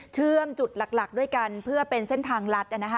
เชื่อมจุดหลักด้วยกันเพื่อเป็นเส้นทางลัด